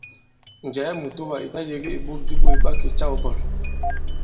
Njɛ̀ɛ ì mùtoà ì ta-yēgē ìɓok di ɓôt ɓa kè-câw bɔ̂l.